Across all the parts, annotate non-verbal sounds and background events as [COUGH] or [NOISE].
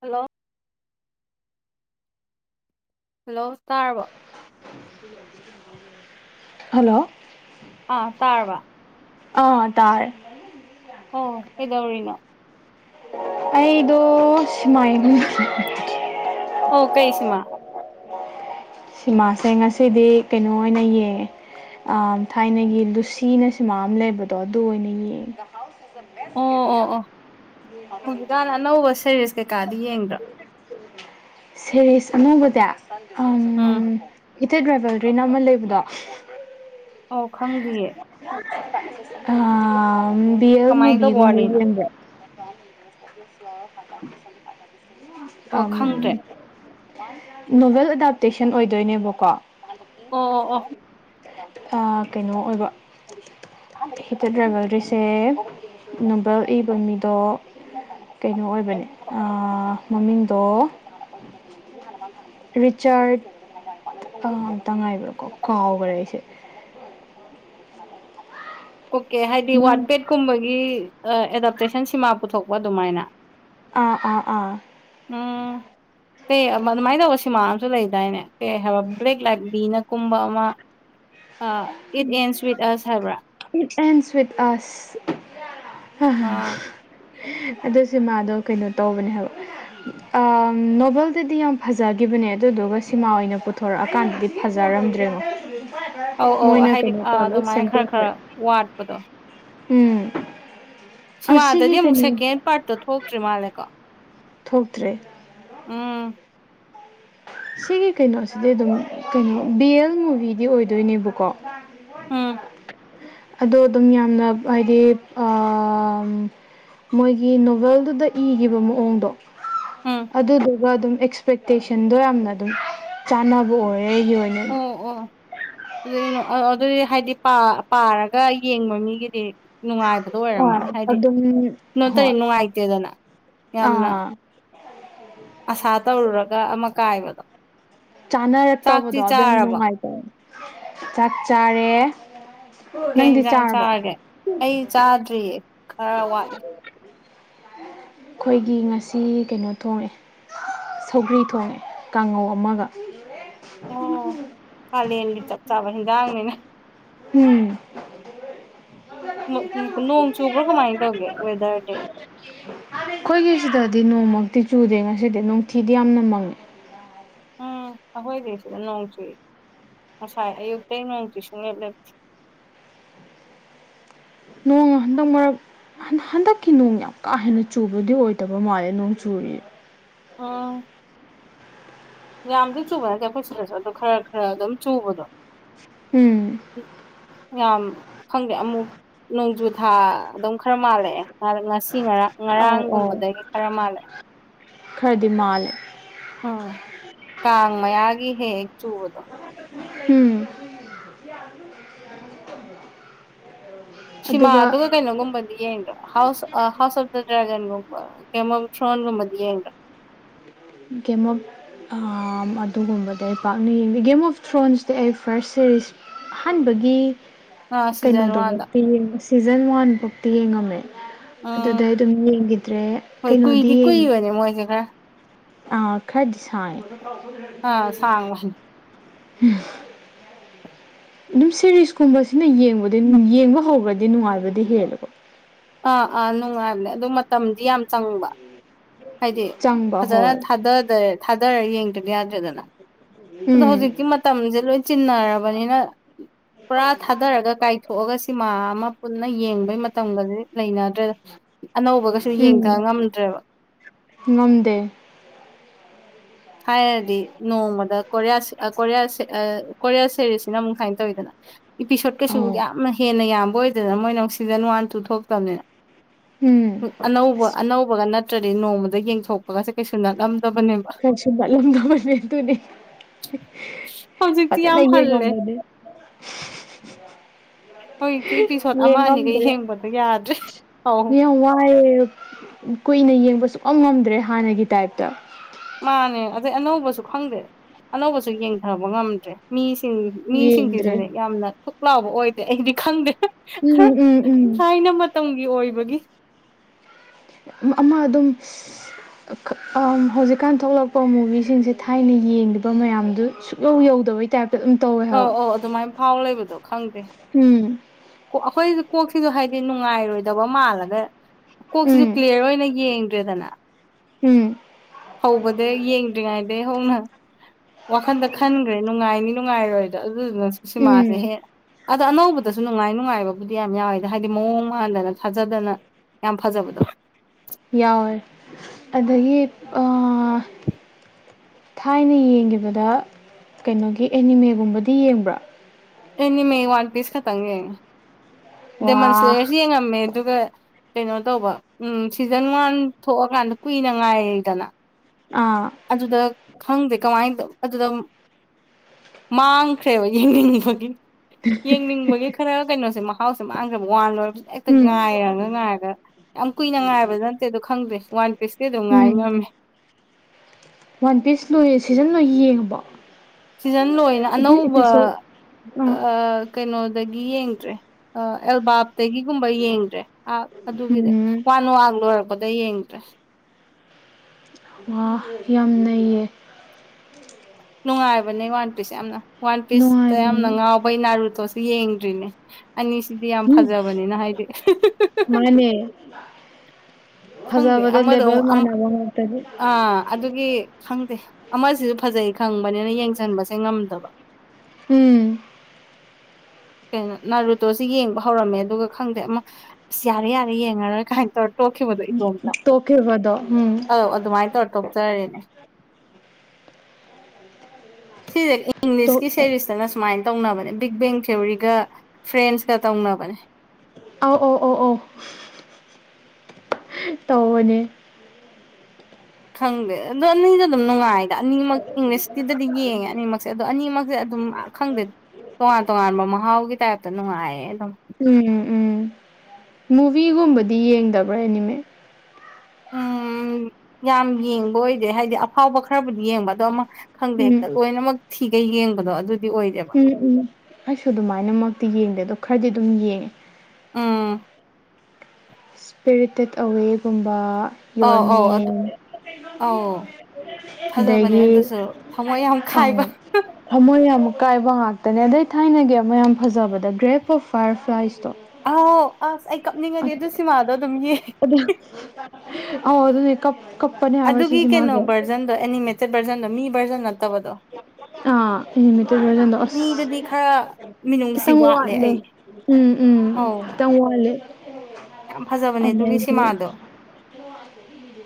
hello hello ꯇꯥꯔꯕꯣ hello ꯑꯥ ꯇꯥꯔꯕ ꯑꯥ ꯇꯥꯔꯦ ꯑꯣ ꯀꯩꯗꯧꯔꯤꯅ ꯑꯩꯗꯣ ꯁꯤꯃꯥ [UNINTELLIGIBLE] ꯀꯩ ꯁꯤꯃꯥ ꯁꯤꯃꯥꯁꯦ ꯉꯁꯤꯗꯤ ꯀꯩꯅꯣ ꯑꯣꯏꯅ ꯌꯦꯡꯌꯦ ꯊꯥꯏꯅꯒꯤ ꯂꯨꯁꯤꯅ ꯁꯤꯃ ꯑꯃ ꯂꯩꯕꯗꯣ ꯑꯗꯨ ꯑꯣꯏꯅ ꯌꯦꯡꯉꯦ ꯑꯣ ꯑꯣ ꯑꯣ ꯍꯧꯖꯤꯛꯀꯥꯟ ꯑꯅꯧꯕ [UNINTELLIGIBLE] ꯁꯦꯔꯤꯁ ꯀꯩꯀꯥꯗꯤ ꯌꯦꯡꯗꯔꯣ ꯁꯦꯔꯤꯁ ꯑꯅꯧꯕꯖꯦ ꯎꯝ ꯎꯝ [UNINTELLIGIBLE] ꯑꯃ ꯂꯩꯕꯗꯣ ꯑꯣ ꯈꯪꯗꯤꯌꯦ ꯑ ꯕꯤ ꯌꯦꯜ ꯀꯃꯥꯏꯅ ꯃꯨꯕꯤ ꯇꯧꯕ ꯒꯨꯝꯕ ꯋꯥꯔꯤꯅꯣ ꯌꯦꯪꯕꯔꯥ ꯑꯣ ꯑꯝ ꯈꯪꯗ꯭ꯔꯦ ꯅꯣꯚꯦꯜ ꯑꯦꯗꯥꯞꯇꯦꯁꯟ ꯑꯣꯏꯗꯣꯏꯅꯦꯕꯀꯣ ꯑꯣ ꯑꯣ ꯑꯣ ꯀꯩꯅꯣ ꯑꯣꯏꯕ ꯍꯤꯇꯠ ꯔꯕꯦꯜꯔꯤꯁꯦ ꯅꯣꯕꯦꯜ ꯏꯕ ꯃꯤꯗꯣ ꯀꯩꯅꯣ ꯑꯣꯏꯕꯅꯦ ꯃꯃꯤꯡꯗꯣ ꯔꯤꯆꯥꯔꯠ ꯑꯝꯇ ꯉꯥꯏꯕ꯭ꯔꯥꯀꯣ ꯀꯥꯎꯈ꯭ꯔꯦ ꯑꯩꯁꯦ ꯑꯣꯀꯦ ꯍꯥꯏꯗꯤ ꯅꯪ ꯋꯥꯔꯠꯄꯦꯠꯀꯨꯝꯕꯒꯤ ꯑꯦꯗꯥꯞꯇꯦꯁꯟ ꯁꯤꯃꯥ ꯄꯨꯊꯣꯛꯄ ꯑꯗꯨꯃꯥꯏꯅ ꯑꯥ ꯑꯥ ꯑꯥ ꯎꯝ ꯑꯗꯨꯃꯥꯏꯅ ꯇꯧꯕ ꯁꯤꯃꯥ ꯑꯃꯁꯨ ꯂꯩꯗꯥꯏꯅꯦ [UNINTELLIGIBLE] ꯀꯨꯝꯕ ꯑꯃ ꯏꯠ ꯑꯦꯟꯁ ꯋꯤꯠ ꯑꯁ ꯍꯥꯏꯕ꯭ꯔꯥ ꯏꯠ ꯑꯦꯟꯁ ꯁꯋꯤꯠ ꯑꯁ ꯑꯥ ꯑꯗꯨ ꯁꯤꯃꯥꯗꯣ ꯀꯩꯅꯣ ꯇꯧꯕꯅꯦ ꯍꯥꯏꯕ ꯑꯝ ꯅꯣꯕꯦꯜꯗꯗꯤ ꯌꯥꯝ ꯐꯖꯒꯤꯕꯅꯦ ꯑꯗꯨꯗꯨꯒ ꯁꯤꯃꯥ ꯑꯣꯏꯅ ꯄꯨꯊꯣꯔꯛꯑꯀꯥꯟꯗꯗꯤ ꯐꯖ ꯔꯝꯗ꯭ꯔꯦꯕꯣ ꯑꯣ ꯍꯥꯏꯗꯤ ꯑꯥ ꯑꯗꯨꯃꯥꯏ ꯈꯔ ꯈꯔ ꯋꯥꯠꯄꯗꯣ ꯎꯝ ꯑꯁꯤꯒꯤ ꯁꯤꯃꯥꯗꯗꯤ ꯑꯃꯨꯛ ꯀꯩꯅꯣ ꯁꯦꯀꯦꯟ ꯄꯥꯔꯠꯇꯣ ꯊꯣꯛꯇ꯭ꯔꯤ ꯃꯥꯜꯂꯦꯀꯣ ꯊꯣꯛꯇ꯭ꯔꯦ ꯎꯝ ꯁꯤꯒꯤ ꯀꯩꯅꯣꯁꯤꯗꯤ ꯑꯗꯨꯝ ꯀꯩꯅꯣ ꯕꯤ ꯑꯦꯜ ꯃꯨꯚꯤꯗꯤ ꯑꯣꯏꯗꯣꯏꯅꯦꯕꯀꯣ ꯎꯝ ꯑꯗꯣ ꯑꯗꯨꯝ ꯌꯥꯝꯅ ꯍꯥꯏꯗꯤ ꯑꯥꯝ ꯃꯣꯏꯒꯤ ꯅꯣꯕꯦꯜꯗꯨꯗ ꯏꯒꯤꯕ ꯃꯑꯣꯡꯗꯣ ꯎꯝ ꯑꯗꯨꯗꯨꯒ ꯑꯗꯨꯝ ꯑꯦꯛꯁꯄꯦꯛꯇꯦꯁꯟꯗꯣ ꯌꯥꯝꯅ ꯑꯗꯨꯝ ꯆꯥꯅꯕ ꯑꯣꯏ ꯔꯦ ꯑꯩꯒꯤ ꯑꯣꯏꯅꯗꯤ ꯑꯗꯨꯅꯤꯅ ꯑꯥ ꯑꯗꯨꯗꯤ ꯍꯥꯏꯗꯤ ꯄꯥ ꯄꯥꯔꯒ ꯌꯦꯡꯕ ꯃꯤꯒꯤꯗꯤ ꯅꯨꯡꯉꯥꯏꯕꯗꯣ ꯍꯣꯏ ꯑꯣꯏꯔꯝꯃꯅꯤ ꯍꯥꯏꯗꯤ ꯑꯗꯨꯝ ꯅꯣꯠꯇꯩ ꯍꯣꯏ ꯅꯨꯡꯉꯥꯏꯇꯦꯗꯅ ꯌꯥꯝꯅ ꯑꯥ [INAUDIBLE] ꯑꯁꯥ ꯇꯧꯔꯨꯔꯒ ꯑꯃꯥ ꯀꯥꯏꯕꯗꯣ ꯆꯥꯅꯔꯞ ꯆꯥꯛꯇꯤ ꯇꯧꯕꯗꯣ ꯑꯗꯨꯅꯤ ꯆꯥꯔꯕꯣ ꯅꯨꯡꯉꯥꯏꯇꯩ ꯆꯥꯛ ꯆꯥꯔꯦ ꯀꯩ ꯅꯪꯗꯤ ꯍꯤꯡꯁꯥꯡ ꯆꯥꯔꯕꯣ ꯆꯥꯔꯒꯦ ꯑꯩ ꯆꯥꯗ꯭ꯔꯤꯌꯦ ꯈꯔ ꯋꯥꯠꯂꯤ ꯈꯣꯏꯒꯤ ꯉꯁꯤ ꯀꯩꯅꯣ ꯊꯣꯡꯉꯦ ꯁꯧꯒ꯭ꯔꯤ ꯊꯣꯡꯉꯦ ꯀꯥꯡꯉꯧ ꯑꯃꯒ ꯑꯣ ꯀꯥꯂꯦꯟꯒꯤ ꯆꯞ ꯆꯥꯕ ꯍꯤꯟꯖꯥꯡꯅꯤꯅꯦ ꯍꯨꯝ ꯅꯣꯡ ꯆꯨꯕ꯭ꯔꯣ ꯀꯃꯥꯏꯟ ꯈꯣꯏꯒꯤ ꯁꯤꯗꯗꯤ ꯅꯣꯡ ꯃꯪ ꯇꯤ ꯆꯨꯗꯦ ꯉꯁꯤꯗꯤ ꯅꯨꯡꯊꯤꯗꯤ ꯌꯥꯝꯅ ꯃꯪꯉꯦ ꯎꯝ ꯑꯩꯈꯣꯏꯗꯤ ꯁꯤꯗ ꯅꯣꯡ ꯆꯨꯏ ꯉꯁꯥꯏ ꯑꯌꯨꯛꯇꯩ ꯅꯣꯡ ꯆꯨ ꯁꯨꯡꯂꯦꯞ ꯂꯦꯞꯇꯦ ꯅꯣꯡ ꯍꯟꯗꯪ ꯃꯔꯛ ꯍꯟ ꯍꯟꯗꯛꯀꯤ ꯅꯣꯡ ꯌꯥꯝ ꯀꯥ ꯍꯦꯟꯅ ꯆꯨꯕꯗꯤ ꯑꯣꯏꯗꯕ ꯃꯥꯜꯂꯦ ꯅꯣꯡ ꯆꯨꯔꯤ ꯑꯥ ꯌꯥꯝꯗꯤ ꯆꯨꯕ ꯅꯠꯇꯦ ꯑꯩꯈꯣꯏ ꯁꯤꯗꯖꯨ ꯑꯗꯣ ꯈꯔ ꯈꯔ ꯑꯗꯨꯝ ꯆꯨꯕꯗꯣ ꯎꯝ ꯌꯥꯝ ꯈꯪꯗꯦ ꯑꯃꯨꯛ ꯅꯣꯡꯖꯨ ꯊꯥ ꯑꯗꯨꯝ ꯈꯔ ꯃꯥꯜꯂꯛꯑꯦ ꯉꯁꯤ ꯉꯔꯥ ꯑꯧ ꯑꯧ ꯉꯔꯥꯡꯒꯨꯝꯕꯗꯒꯤ ꯈꯔ ꯃꯥꯜꯂꯦ ꯈꯔꯗꯤ ꯃꯥꯂꯦ ꯍꯦ ꯍꯦꯛ ꯆꯨꯕꯗꯣ [INAUDIBLE] ꯁꯤꯃꯥ ꯑꯗꯨꯒ ꯀꯩꯅꯣꯒꯨꯝꯕꯗꯤ ꯌꯦꯡꯗ꯭ꯔꯣ ꯍꯥꯎꯁ ꯑꯥ ꯍꯥꯎꯁ ꯑꯣꯐ ꯗꯥ ꯗ꯭ꯔꯦꯒꯟ ꯀꯦꯃꯣꯟ ꯊ꯭ꯔꯣꯟꯒꯨꯝꯕꯗꯤ ꯌꯦꯡꯗ꯭ꯔꯣ ꯒꯦꯃꯣꯛ ꯑꯥ ꯑꯗꯨꯒꯨꯝꯕꯗꯣ ꯑꯩ ꯄꯥꯛꯅ ꯌꯦꯡꯗꯦ ꯒꯦꯝ ꯑꯣꯐ ꯊ꯭ꯔꯣꯟꯁꯇꯤ ꯑꯩ ꯐꯥꯔꯁ ꯁꯦꯔꯤꯁ ꯑꯍꯥꯟꯕꯒꯤ ꯑꯥ ꯁꯤꯖꯟ ꯀꯩꯅꯣꯗꯨ ꯋꯥꯟꯗ ꯕꯥꯎꯇꯤ ꯁꯤꯖꯟ ꯋꯥꯟꯐꯧꯇꯤ ꯌꯦꯡꯉꯝꯃꯦ ꯑꯗꯨꯗꯩ ꯎꯝ ꯑꯗꯨꯝ ꯌꯦꯡꯒꯤꯗ꯭ꯔꯦ ꯍꯣꯏ ꯀꯩꯅꯣꯗꯤ ꯀꯨꯏꯗꯤ ꯌꯦꯡꯉꯦ ꯀꯨꯏꯕꯅꯦ ꯃꯣꯏꯁꯦ ꯈꯔ ꯑꯥ ꯈꯔꯗꯤ ꯁꯥꯡꯉꯦ ꯑꯥ ꯁꯥꯡꯕꯅꯤ [INAUDIBLE] ꯑꯗꯨꯝ ꯁꯦꯔꯤꯁꯀꯨꯝꯕꯁꯤꯅ ꯌꯦꯡꯕꯗꯤ ꯌꯦꯡꯕ ꯍꯧꯧꯕ꯭ꯔꯗꯤ ꯅꯨꯡꯉꯥꯏꯕꯗꯤ ꯍꯦꯜꯂꯦꯕ ꯑꯥ ꯑꯥ ꯅꯨꯡꯉꯥꯏꯕꯅꯦ ꯑꯗꯨ ꯃꯇꯝꯗꯤ ꯌꯥꯝ ꯆꯪꯕ ꯍꯥꯏꯗꯤ ꯆꯪꯕ ꯐꯖꯅ ꯍꯣꯏ ꯊꯥꯗ ꯊꯥꯗꯔ ꯌꯦꯡꯗꯕ ꯌꯥꯗ꯭ꯔꯦꯗꯅ ꯑꯗꯣ ꯎꯝ ꯍꯧꯖꯤꯛꯇꯤ ꯃꯇꯝꯁꯦ ꯂꯣꯏ ꯆꯤꯟꯅꯔꯕꯅꯤꯅ ꯄꯨꯔꯥ ꯊꯥꯗꯔꯒ ꯀꯥꯏ ꯊꯣꯛꯑꯒ ꯁꯤꯃꯥ ꯑꯃ ꯄꯨꯟꯅ ꯌꯦꯡꯕꯩ ꯃꯇꯝꯒꯗꯤ ꯂꯩꯅꯗ꯭ꯔꯦꯗ ꯑꯅꯧꯕꯒꯁꯨ ꯌꯦꯡꯊ ꯎꯝ ꯉꯝꯗ꯭ꯔꯦꯕ ꯉꯝꯗꯦ ꯍꯥꯏꯔꯗꯤ ꯅꯣꯡꯃꯗ ꯀꯣꯔꯤꯌꯥꯣꯔꯤꯌꯥ ꯀꯣꯔꯤꯌꯥ ꯁꯦꯔꯤꯁꯤꯅ ꯑꯃꯨꯛ ꯁꯨꯃꯥꯏꯅ ꯇꯧꯋꯤꯗꯅ ꯏꯄꯤꯁꯣꯠ ꯀꯩꯁꯨ ꯑꯧ ꯌꯥꯝꯅ ꯍꯦꯟꯅ ꯌꯥꯝꯕ ꯑꯣꯏꯗꯗꯅ ꯃꯣꯏꯅ ꯑꯃꯨꯛ ꯁꯤꯖꯟ ꯋꯥꯟ ꯇꯨ ꯊꯣꯛꯇꯕꯅꯤꯅ ꯎꯝ ꯑꯅꯧꯕ ꯑꯁ ꯑꯅꯧꯕꯒ ꯅꯠꯇ꯭ꯔꯗꯤ ꯅꯣꯡꯃꯗ ꯌꯦꯡꯊꯣꯛꯄꯒꯁꯦ ꯀꯩꯁꯨ ꯅꯛꯂꯝꯗ ꯇꯕꯅꯦꯕ ꯅꯠꯂꯝꯗꯕꯅꯦ ꯑꯗꯨꯅꯤ ꯍꯧꯖꯤꯛꯇꯤ ꯐꯖꯅ ꯌꯥꯝ ꯌꯦꯉꯝ ꯍꯜꯂꯦ ꯕꯅꯦ ꯍꯧꯖꯤꯛꯇꯤ ꯏꯄꯤꯁꯣꯠ ꯑꯃ ꯑꯅꯤꯒ ꯂꯦꯃꯝꯗꯔꯑꯦ ꯌꯦꯡꯕꯗꯣ ꯌꯥꯗ꯭ꯔꯦ ꯍꯧ ꯌꯥꯝ ꯋꯥꯏꯌꯦ ꯀꯨꯏꯅ ꯌꯦꯡꯕ ꯁꯨꯑꯝ ꯉꯝꯗ꯭ꯔꯦ ꯍꯥꯟꯅꯒꯤ ꯇꯥꯏꯞꯇ ꯃꯥꯅꯦ ꯑꯗꯩ ꯑꯅꯧꯕꯁꯨ ꯈꯪꯗꯦ ꯑꯅꯧꯕꯁꯨ ꯌꯦꯡꯊꯕ ꯉꯝꯗ꯭ꯔꯦ ꯃꯤ ꯁꯤꯡ ꯌꯦꯡꯗ꯭ꯔꯦ ꯃꯤꯁꯤꯡꯁꯤꯁꯨꯅꯦ ꯌꯥꯝꯅ ꯊꯨꯛ ꯂꯥꯎꯕ ꯑꯣꯏꯗꯦ ꯑꯩꯗꯤ ꯈꯪꯗꯦ ꯎꯝ ꯈꯔ ꯎꯝ ꯎꯝ ꯊꯥꯏꯅ ꯃꯇꯝꯒꯤ ꯑꯣꯏꯕꯒꯤ ꯑꯃ ꯑꯗꯨꯝ ꯍꯧꯖꯤꯛꯀꯥꯟ ꯊꯣꯛꯂꯛꯄ ꯃꯨꯚꯤꯁꯤꯡꯁꯦ ꯊꯥꯏꯅ ꯌꯦꯡꯗꯕ ꯃꯌꯥꯝꯗꯨ ꯁꯨꯛꯌꯧ ꯌꯧꯗꯕꯩ ꯇꯥꯏꯞ ꯑꯧ ꯑꯧ ꯑꯗꯨꯃꯥꯏꯅ ꯐꯥꯎ ꯂꯩꯕꯗꯣ ꯈꯪꯗꯦ ꯎꯝ ꯑꯩꯈꯣꯏ ꯀꯣꯛꯁꯤꯁꯨ ꯍꯥꯏꯗꯤ ꯅꯨꯡꯉꯥꯏꯔꯣꯏꯗꯕ ꯃꯥꯜꯂꯒ ꯀꯣꯛꯁꯤꯁꯨ ꯎꯝ ꯀ꯭ꯂꯤꯌꯥꯔ ꯑꯣꯏꯅ ꯌꯦꯡ ꯗꯦꯗꯅ ꯎꯝ ꯍꯧꯕꯗ ꯌꯦꯡꯗ꯭ꯔꯤꯉꯩꯗ ꯍꯧꯅ ꯋꯥꯈꯟꯗ ꯈꯟꯈ꯭ꯔꯦ ꯅꯨꯡꯉꯥꯏꯅꯤ ꯅꯨꯡꯉꯥꯏꯔꯣꯏꯗꯣ ꯑꯗꯨ ꯑꯗꯨꯗꯨꯅꯥ ꯁꯤꯃꯁꯤ ꯎꯝ ꯍꯦꯟꯅꯥ ꯑꯗ ꯑꯅꯧꯕꯗꯁꯨ ꯅꯨꯡꯉꯥꯏ ꯅꯨꯡꯉꯥꯏꯕꯕꯨꯗꯤ ꯌꯥꯝ ꯌꯥꯎꯋꯦꯗ ꯍꯥꯏꯗꯤ ꯃꯑꯣꯡ ꯃꯥꯟꯗꯅ ꯊꯥꯖꯗꯅ ꯌꯥꯝ ꯐꯖꯕꯗꯣ ꯌꯥꯎꯋꯦ ꯑꯗꯒꯤ ꯊꯥꯏꯅ ꯌꯦꯡꯈꯤꯕꯗ ꯀꯩꯅꯣꯒꯤ ꯑꯦꯅꯤꯃꯦꯒꯨꯝꯕꯗꯤ ꯌꯦꯡꯕ꯭ꯔꯥ ꯑꯦꯅꯤꯃꯤ ꯋꯥꯟ ꯄꯤꯁ ꯈꯛꯇꯪ ꯌꯦꯡꯉꯦ ꯋꯥ ꯗꯦꯃꯣꯟꯁ꯭ꯂꯦꯔꯁꯨ ꯌꯦꯡꯉꯝꯃꯦ ꯑꯗꯨꯒ ꯀꯩꯅꯣ ꯇꯧꯕ ꯎꯝ ꯁꯤꯖꯟ ꯋꯥꯟ ꯊꯣꯛꯑꯀꯥꯟꯗ ꯀꯨꯏꯅ ꯉꯥꯏꯗꯅ ꯑꯥ ꯑꯗꯨꯗ ꯈꯪꯗꯦ ꯀꯃꯥꯏꯅ ꯑꯗꯨꯗ ꯃꯥꯡꯈ꯭ꯔꯦꯕ ꯌꯦꯡꯅꯤꯡꯕꯒꯤ ꯌꯦꯡꯅꯤꯡꯕꯒꯤ ꯈꯔ ꯀꯩꯅꯣꯁꯦ ꯃꯍꯥꯎꯁꯦ ꯃꯥꯡꯒꯔ꯭ꯦ ꯋꯥꯜ ꯂꯣꯏ ꯍꯦꯛꯇ ꯎꯝ ꯉꯥꯏꯔꯒ ꯉꯥꯏꯔꯒ ꯌꯥꯝ ꯀꯨꯏꯅ ꯉꯥꯏꯕꯗ ꯅꯠꯇꯦ ꯑꯗꯣ ꯈꯪꯗ꯭ꯔꯦ ꯋꯥꯟ ꯄꯤꯁꯇ ꯑꯗꯨꯝ ꯉꯥꯏ ꯎꯝ ꯉꯝꯃꯦ ꯋꯥꯟ ꯄꯤꯁ ꯂꯣꯏ ꯁꯤꯖꯟ ꯂꯣꯏ ꯌꯦꯡꯉꯕ ꯁꯤꯖꯟ ꯂꯣꯏꯅ ꯑꯅꯧꯕ ꯀꯩꯅꯣꯗꯒꯤ ꯌꯦꯡꯗ꯭ꯔꯦ ꯑꯦꯜꯕꯥꯞꯇꯒꯤꯒꯨꯝꯕ ꯌꯦꯡꯗ꯭ꯔꯦ ꯑꯗꯨꯒꯤꯗꯤ ꯎꯝ ꯋꯥꯅ ꯋꯥꯡ ꯂꯣꯏꯔꯕ ꯑꯗꯩꯩ ꯌꯦꯡꯗꯔ꯭ꯦ ꯋꯥ ꯌꯥꯝ ꯅꯩꯌꯦ ꯅꯨꯡꯉꯥꯏꯕꯅꯦ ꯋꯥꯟ ꯄꯤꯁ ꯌꯥꯝꯅ ꯋꯥꯟ ꯄꯤꯁꯇ ꯌꯥꯝꯅ ꯅꯨꯡꯉꯥꯏꯕꯅꯤ ꯉꯥꯎꯕꯩ ꯅꯥꯔꯨ ꯇꯣ ꯌꯦꯡꯗ꯭ꯔꯤꯅꯦ ꯑꯅꯤꯁꯤꯗꯤ ꯌꯥꯝ ꯎꯝ ꯐꯖꯕꯅꯤꯅ ꯍꯥꯏꯗꯤ [INAUDIBLE] ꯈꯪꯗꯦ ꯐꯖꯕꯗ ꯑꯃꯗꯣ ꯂꯦꯚꯦꯜ ꯃꯨꯛ ꯑꯝ ꯃꯥꯟꯅꯕ ꯉꯥꯛꯇꯅꯤ ꯑꯥ ꯑꯗꯨꯒꯤ ꯈꯪꯗꯦ ꯑꯃꯥꯁꯤꯁꯨ ꯐꯖꯩ ꯈꯪꯕꯅꯤꯅ ꯌꯦꯡꯖꯟꯕꯖꯦ ꯉꯝꯗꯕ ꯎꯝ ꯀꯩꯅꯣ ꯅꯥꯔꯨꯇꯣꯁꯦ ꯌꯦꯡꯕ ꯍꯧꯔꯝꯃꯦ ꯑꯗꯨꯒ ꯈꯪꯗꯦ ꯑꯃꯥ ꯑꯁ ꯌꯥꯔꯦ ꯌꯥꯔꯦ ꯌꯦꯡꯉꯔꯣꯏ ꯀꯥꯏꯟ ꯇꯧꯔ ꯇꯣꯛꯈꯤꯕꯗꯣ ꯏꯇꯣꯝꯇ ꯇꯣꯛꯈꯤꯕꯗꯣ ꯎꯝ ꯑꯥ ꯑꯗꯨꯃꯥꯏ ꯇꯧꯔ ꯇꯣꯛꯆꯔꯤꯅꯦ ꯁꯤꯖꯦ ꯇꯣꯛ ꯏꯪꯂꯤꯁꯀꯤ ꯁꯦꯔꯤꯁꯇꯅ ꯁꯨꯃꯥꯏ ꯇꯧꯅꯕꯅꯦ ꯕꯤꯛ ꯕꯦꯡ ꯊꯤꯑꯣꯔꯤꯒ ꯐ꯭ꯔꯦꯟꯁꯀ ꯇꯧꯅꯕꯅꯦ ꯑꯧ ꯑꯣ ꯑꯣ ꯑꯣ ꯇꯧꯕꯅꯦ ꯈꯪꯗꯦ ꯑꯗꯣ ꯑꯅꯤꯖꯨ ꯑꯗꯨꯝ ꯅꯨꯡꯉꯥꯏꯗ ꯑꯅꯤꯃꯛ ꯏꯪꯂꯤꯁꯀꯤꯗꯗꯤ ꯌꯦꯡꯉꯦ ꯑꯅꯤꯃꯛꯁꯦ ꯑꯗꯣ ꯑꯅꯤꯃꯛꯁꯦ ꯑꯗꯨꯝ ꯈꯪꯗꯦ ꯇꯣꯉꯥꯟ ꯇꯣꯉꯥꯟꯕ ꯃꯍꯥꯎꯒꯤ ꯇꯥꯏꯞꯇ ꯅꯨꯡꯉꯥꯏꯌꯦ ꯑꯗꯨꯝ ꯎꯝ ꯎꯝ ꯃꯨꯚꯤꯒꯨꯝꯕꯗꯤ ꯌꯦꯡꯗꯕ꯭ꯔꯥ ꯑꯦꯅꯤꯃꯦ ꯎꯝ ꯌꯥꯝ ꯌꯦꯡꯕ ꯑꯣꯏꯗꯦ ꯍꯥꯏꯗꯤ ꯑꯐꯥꯎꯕ ꯈꯔꯕꯨꯗꯤ ꯌꯦꯡꯕ ꯑꯗꯣ ꯑꯃꯥ ꯈꯪꯗꯦ ꯎꯝ ꯍꯦꯛꯇ ꯂꯣꯏꯅꯃꯛ ꯊꯤꯒꯩ ꯌꯦꯡꯕꯗꯣ ꯑꯗꯨ ꯎꯝ ꯎꯝ ꯑꯩꯁꯨ ꯑꯗꯨꯃꯥꯏꯅꯃꯛꯇꯤ ꯌꯦꯡꯗꯦ ꯑꯗꯣ ꯈꯔꯗꯤ ꯑꯗꯨꯝ ꯌꯦꯡꯉꯦ ꯎꯝ ꯁ꯭ꯄꯤꯔꯤꯇꯦꯠ ꯑꯋꯦꯒꯨꯝꯕ ꯑꯧ ꯑꯧ ꯌ꯭ꯔꯣꯅꯦ ꯑꯗꯨ ꯑꯧ ꯐꯖꯕꯅꯦ ꯑꯗꯒꯤ ꯑꯗꯨꯁꯨ ꯊꯃꯣꯏ ꯌꯥꯝ ꯑꯧ ꯈꯥꯏꯕ ꯊꯃꯣꯏ ꯌꯃꯛ ꯀꯥꯏꯕ ꯉꯥꯛꯇꯅꯦ ꯑꯗꯩ ꯊꯥꯏꯅꯒꯤ ꯑꯃꯥ ꯌꯥꯝ ꯐꯖꯕꯗ ꯒ꯭ꯔꯦꯞ ꯑꯣꯐ ꯐꯥꯏꯌꯔ ꯐ꯭ꯂꯥꯏꯁ ꯑꯥꯎ ꯑꯁ ꯑꯩ ꯀꯞꯅꯤꯡꯉꯗꯤ ꯑꯗꯨ ꯁꯤꯃꯥꯗꯣ ꯑꯗꯨꯝ ꯌꯦꯡ ꯑꯧ ꯑꯗꯨꯅꯦ ꯀꯞ ꯀꯞꯄꯅꯦ ꯍꯥꯏꯕ ꯁꯤꯁꯦ ꯑꯗꯨꯒꯤ ꯀꯩꯅꯣ ꯃꯥꯁꯦ ꯚꯔꯖꯟꯗꯣ ꯑꯦꯅꯤꯃꯦꯇꯦꯠ ꯚꯔꯖꯟꯗꯣ ꯃꯤ ꯚꯔꯖꯟ ꯇꯕꯗꯣ ꯑꯥ ꯑꯦꯅꯤꯃꯦꯇꯦꯠ ꯚꯔꯖꯟꯗꯣ ꯑꯁ ꯈꯔ ꯃꯤꯅꯨꯡꯁꯤ ꯈꯤꯇꯪ ꯋꯥꯠꯂꯦ ꯑꯩ ꯎꯝ ꯎꯝ ꯑꯧ ꯈꯤꯇꯪ ꯋꯥꯠꯂꯦ ꯌꯥꯝ ꯐꯖꯕꯅꯦ ꯑꯗꯨꯒꯤ ꯁꯤꯃꯥꯗꯣ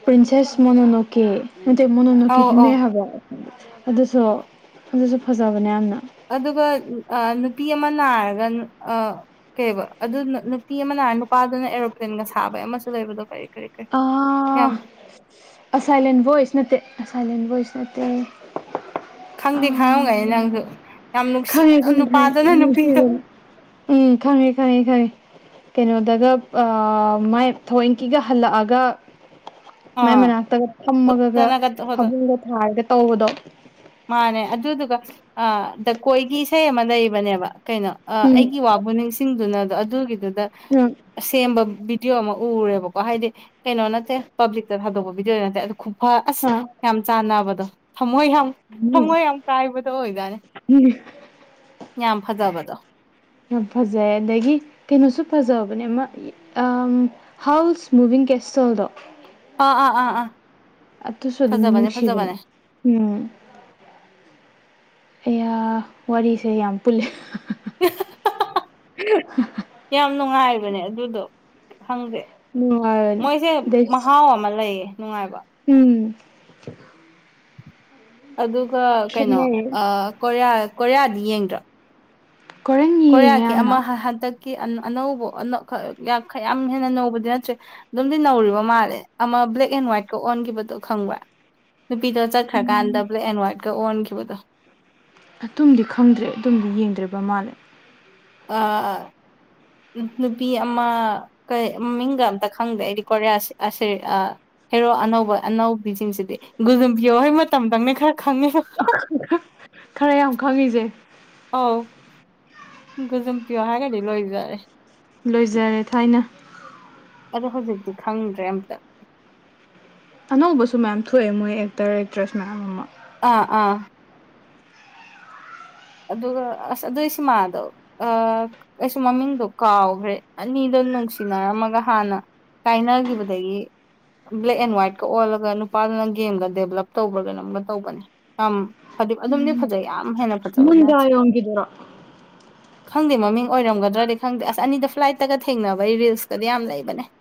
ꯄꯔꯤꯟꯁꯦꯁ ꯃꯣꯅꯣ ꯅꯣꯀꯤ ꯅꯠꯇꯦ ꯃꯣꯅꯣꯅꯣꯀꯤ ꯑꯧ ꯑꯧ ꯍꯤꯡꯂꯩ ꯍꯥꯏꯕ ꯑꯗꯨꯁꯨ ꯑꯗꯨꯁꯨ ꯐꯖꯕꯅꯦ ꯌꯥꯝꯅ ꯑꯗꯨꯒ ꯑꯥ ꯅꯨꯄꯤ ꯑꯃꯥ ꯅꯥꯔꯒꯟ ꯑꯥ ꯀꯩꯕ ꯑꯗꯨ ꯅꯥ ꯅꯨꯄꯤ ꯑꯃꯥ ꯅꯥꯔ ꯅꯨꯄꯥꯗꯨꯅ ꯑꯦꯔꯣꯄ꯭ꯂꯦꯟꯒ ꯁꯥꯕꯩ ꯑꯃꯁꯨ ꯂꯩꯕꯗꯣ ꯀꯔꯤ ꯀꯔꯤ ꯀꯔꯤ ꯑꯥ ꯌꯥꯝ ꯑꯁꯥꯏꯂꯦꯟ ꯚꯣꯏꯁ ꯅꯠꯇꯦ ꯑꯁꯥꯏꯂꯦꯟ ꯚꯣꯏꯁ ꯅꯠꯇꯦ ꯈꯪꯗꯤ ꯑꯥ ꯈꯪꯉꯝꯒꯅꯤ ꯅꯪꯁꯨ ꯌꯥꯝ ꯈꯪꯉꯦ ꯅꯨꯡꯁꯤꯕꯗꯣ ꯈꯪꯉꯦ ꯅꯨꯄꯥꯗꯨꯅ ꯅꯨꯄꯤꯗꯣ ꯈꯪꯉꯦ [UNINTELLIGIBLE] ꯎꯝ ꯈꯪꯉꯦ ꯈꯪꯉꯦ ꯈꯪꯉꯦ ꯀꯩꯅꯣꯗꯒ ꯑꯥ ꯃꯥꯏ ꯊꯋꯣꯏꯟꯀꯤꯒ ꯍꯜꯂꯛꯑꯒ ꯃꯥꯏ ꯑꯥ ꯃꯅꯥꯛꯇꯒ ꯐꯝꯃꯒꯥꯒ ꯎꯠꯇꯅꯒ ꯇꯧꯕꯗꯣ ꯐꯕꯨꯡꯒ ꯊꯥꯔꯒ ꯇꯧꯕꯗꯣ ꯃꯥꯅꯦ ꯑꯗꯨꯗꯨꯒ ꯑꯥ ꯗꯥ ꯀꯣꯏꯒꯤ ꯏꯁꯩ ꯑꯃꯥ ꯂꯩꯕꯅꯦꯕ ꯀꯩꯅꯣ ꯑꯥ ꯎꯝ ꯑꯩꯒꯤ ꯋꯥꯕꯨ ꯅꯤꯡꯁꯤꯡꯗꯨꯅ ꯗꯣ ꯑꯗꯨꯒꯤꯗꯨꯗ ꯎꯝ ꯁꯦꯝꯕ ꯕꯤꯗꯤꯑꯣ ꯑꯃꯥ ꯎꯔꯦꯕꯀꯣ ꯍꯥꯏꯗꯤ ꯀꯩꯅꯣ ꯅꯠꯇꯦ ꯄꯕ꯭ꯂꯤꯛꯇ ꯊꯥꯗꯣꯛꯄ ꯚꯤꯗꯤꯌꯣ ꯅꯠꯇꯦ ꯑꯗꯣ ꯈꯨꯐꯥ ꯑꯁ ꯍꯥ ꯌꯥꯝ ꯆꯥꯟꯅꯕꯗꯣ ꯊꯃꯣꯏ ꯌꯥꯝ ꯊꯝꯃꯣꯏ ꯌꯥꯝ ꯀꯥꯏꯕꯗꯣ ꯑꯣꯏꯖꯅꯦ ꯌꯥꯝ ꯐꯖꯕꯗꯣ ꯌꯥꯝ ꯐꯖꯩ ꯑꯗꯒꯤ ꯀꯩꯅꯣꯁꯨ ꯐꯖꯕꯅꯦ ꯑꯃꯥ ꯑꯝ ꯍꯥꯎꯁ ꯃꯨꯚꯤꯡ ꯀꯦꯁꯇꯜꯗꯣ ꯑꯥ ꯑꯥ ꯑꯥ ꯑꯗꯨꯁꯨ ꯑꯗꯨꯝ ꯐꯖꯕꯅꯦ ꯅꯨꯡꯁꯤꯕꯅꯤ ꯐꯖꯕꯅꯦ ꯎꯝ ꯑꯌꯥ ꯋꯥꯔꯤꯁꯦ ꯌꯥꯝ ꯄꯨꯜꯂꯦ ꯏꯍꯥꯍꯥꯍꯥꯍꯥ ꯌꯥꯝ ꯅꯨꯡꯉꯥꯏꯕꯅꯦ ꯑꯗꯨꯗꯣ ꯈꯪꯗꯦ ꯅꯨꯡꯉꯥꯏꯕꯅꯦ ꯃꯣꯏꯖꯦ ꯑꯗꯩ ꯃꯍꯥꯎ ꯑꯃ ꯂꯩꯌꯦ ꯅꯨꯡꯉꯥꯏꯕ ꯎꯝ ꯑꯗꯨꯒ ꯀꯩꯅꯣ ꯈꯦꯠꯅꯔꯦ ꯑꯥ ꯀꯣꯔꯤꯌ ꯀꯣꯔꯤꯌꯗꯤ ꯌꯦꯡꯗ꯭ꯔꯣ ꯀꯣꯔꯦꯟ ꯌꯦꯡꯉꯦ ꯀꯣꯔꯤꯌꯒꯤ ꯌꯥꯝꯅ ꯑꯃ ꯍꯥ ꯍꯥ ꯍꯟꯇꯛ ꯑꯅ ꯑꯅꯧꯕ ꯌꯥꯝ ꯍꯦꯟꯅ ꯅꯧꯕꯗꯤ ꯅꯠꯇ꯭ꯔꯦ ꯑꯗꯨꯝꯗꯤ ꯅꯧꯔꯤꯕ ꯃꯜꯂꯦ ꯑꯃ ꯕ꯭ꯂꯦꯛ ꯑꯦꯟ ꯋꯥ꯭ꯏꯠꯀ ꯑꯣꯟꯒꯤꯕꯗꯣ ꯈꯪꯕ꯭ꯔ ꯅꯨꯄꯤꯗꯣ ꯆꯠꯈ꯭ꯔꯀꯥꯟꯗ ꯕ꯭ꯂꯦꯛ ꯑꯦꯟ ꯍ꯭ꯋꯥꯏꯠꯀ ꯑꯣꯟꯒꯤꯕꯗꯣ ꯑꯗꯨꯝꯗꯤ ꯈꯪꯗ꯭ꯔꯦ ꯑꯗꯨꯝꯗꯤ ꯌꯦꯡꯗ꯭ꯔꯦꯕ ꯃꯜꯂꯦ ꯑꯥꯑ ꯅꯨꯄꯤ ꯑꯃ ꯀꯩ ꯃꯃꯤꯡꯒ ꯑꯝꯇ ꯈꯪꯗꯦ ꯑꯩꯗꯤ ꯀꯣꯔꯤꯌꯥ ꯁꯦ ꯑꯥ ꯍꯦꯔꯣ ꯑꯅꯧꯕ ꯑꯅꯧꯕꯤꯁꯤꯡꯖꯤꯗꯤ ꯒꯨꯖꯨꯝꯕꯤꯌꯣ ꯍꯣꯏ ꯃꯇꯝꯗꯪꯅꯦ ꯈꯔ ꯈꯪꯉꯦꯕ ꯈꯪ ꯈ ꯈꯔ ꯌꯥꯝ ꯈꯪꯉꯤꯖꯦ ꯑꯧ ꯒꯨꯖꯨꯝ ꯄꯤꯌꯣ ꯍꯥꯏꯒ꯭ꯔꯗꯤ ꯂꯣꯏꯖꯔꯦ ꯂꯣꯏꯖꯔꯦ ꯊꯥꯏꯅ ꯑꯗꯣ ꯍꯧꯖꯤꯛꯇꯤ ꯈꯪꯗ꯭ꯔꯦ ꯑꯝꯇ ꯑꯅꯧꯕꯁꯨ ꯃꯌꯥꯝ ꯊꯣꯛꯑꯦ ꯃꯣꯏ ꯑꯦꯛꯇꯔ ꯑꯦꯛꯇ꯭ꯔꯦꯁ ꯃꯌꯥꯝ ꯑꯃ ꯑꯥ ꯑꯥ ꯑꯗꯨꯒ ꯑꯁ ꯑꯗꯨꯏ ꯁꯤꯃꯗꯣ ꯑꯥ ꯑꯩꯁꯨ ꯃꯃꯤꯡꯗꯣ ꯀꯥꯎꯒ꯭ꯔꯦ ꯑꯅꯤꯗꯣ ꯅꯨꯡꯁꯤꯅꯔꯝꯃꯒ ꯍꯥꯟꯅ ꯀꯥꯏꯅꯒꯤꯕꯗꯒꯤ ꯕ꯭ꯂꯦꯛ ꯑꯦꯟ ꯋꯥ꯭ꯏꯠꯀ ꯑꯣꯜꯂꯒ ꯅꯨꯄꯥꯗꯨꯅ ꯒꯦꯝꯒ ꯗꯦꯕꯂꯞ ꯇꯧꯕ꯭ꯔ ꯀꯩꯅꯣꯝꯒ ꯇꯧꯕꯅꯦ ꯌꯥꯝ ꯑꯗꯨꯝꯗꯤ ꯐꯖꯩ ꯌꯥꯝ ꯍꯦꯟꯅ ꯐꯖꯕꯗꯤ ꯃꯟꯗ ꯅꯠꯇꯦ ꯌꯣꯡꯒꯤꯗꯔꯣ ꯈꯪꯗꯦ ꯃꯃꯤꯡ ꯑꯣꯏꯔꯝꯒꯗ꯭ꯔꯗꯤ ꯈꯪꯗꯦ ꯑꯁ ꯑꯅꯤꯗꯣ ꯐ꯭ꯂꯥꯏꯠꯇꯒ ꯊꯦꯡꯅꯕꯒꯤ ꯔꯤꯜꯁꯀꯗꯤ ꯌꯥꯝ ꯂꯩꯕꯅꯦ [INAUDIBLE]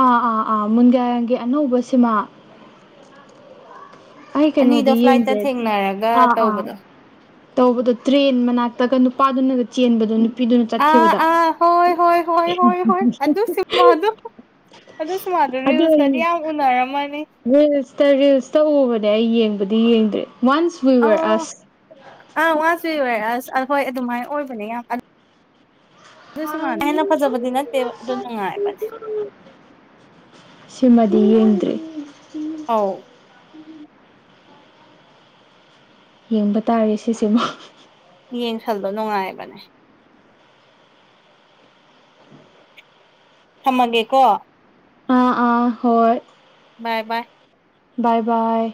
ꯑꯥ ꯑꯥ ꯑꯥ ꯃꯨꯟꯒꯏꯔꯟꯒꯤ ꯑꯅꯧꯕ ꯁꯤꯃꯥ ꯑꯩ ꯑꯅꯤꯗꯣ ꯀꯩꯩꯅꯣꯗꯤ ꯐ꯭ꯂꯥꯏꯠꯇ ꯌꯦꯡꯗ꯭ꯔꯦ ꯊꯦꯡꯅꯔꯒ ꯑꯥ ꯑꯥ ꯇꯧꯕꯗꯣ ꯇꯧꯕꯗꯣ ꯇ꯭ꯔꯦꯟ ꯃꯅꯥꯛꯇꯒ ꯅꯨꯄꯥꯗꯨꯅꯒ ꯆꯦꯟꯕꯗꯣ ꯅꯨꯄꯤꯗꯨꯅ ꯑꯥ ꯆꯠꯈꯤꯕꯗ ꯑꯥ ꯍꯣꯏ ꯍꯣꯏ ꯍꯣꯏ ꯍꯣꯏ ꯍꯣꯏ ꯑꯗꯨ ꯁꯤꯃꯥꯗꯣ ꯑꯗꯨ ꯁꯤꯃꯥꯗꯣ ꯑꯗꯨ ꯑꯩ ꯔꯤꯜꯁꯇꯗꯤ ꯌꯥꯝ ꯎꯅꯔꯝꯃꯅꯤ ꯔꯤꯜꯁꯇ ꯔꯤꯜꯁꯇ ꯎꯕꯅꯦ ꯑꯩ ꯑꯩ ꯌꯦꯡꯕꯗꯤ ꯌꯦꯡꯗ꯭ꯔꯤ ꯋꯥꯟꯁ ꯋꯤꯋꯣꯌꯔ ꯑꯁ ꯋꯤꯋꯣꯌꯔ ꯑꯁ ꯍꯣꯏ ꯑꯗꯨꯃꯥꯏꯟ ꯑꯣꯏꯕꯅꯦ ꯌꯥꯝ ꯑꯗꯨ ꯁꯤꯃꯥꯗꯣ ꯀꯥ ꯍꯦꯟꯅ ꯐꯖꯕꯗꯤ ꯅꯠꯇꯦꯕ ꯑꯗꯨ ꯅꯨꯡꯉꯥꯏꯕꯅꯦ [UNINTELLIGIBLE] ꯁꯤꯃꯗꯤ ꯌꯦꯡꯗ꯭ꯔꯤ ꯑꯥꯎ ꯌꯦꯡꯕ ꯇꯥꯔꯦ ꯁꯤꯁꯤꯃ ꯌꯦꯡꯁꯟꯂꯣ ꯅꯨꯡꯉꯥꯏꯕꯅꯦ ꯊꯝꯃꯒꯦꯀꯣ ꯑꯥ ꯑꯥ ꯍꯣꯏ ꯕꯥꯏ ꯕꯥꯏ ꯕꯥꯏ ꯕꯥꯏ